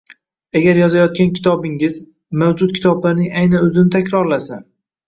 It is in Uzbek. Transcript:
Agar yozayotgan kitobingiz mavjud kitoblarning aynan o‘zini takrorlasa